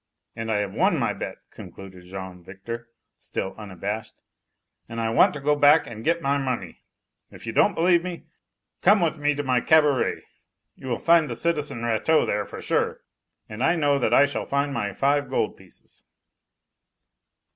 And I have won my bet," concluded Jean Victor, still unabashed, "and I want to go back and get my money. If you don't believe me, come with me to my CABARET. You will find the citizen Rateau there, for sure; and I know that I shall find my five gold pieces."